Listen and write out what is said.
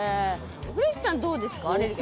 古市さん、どうですか？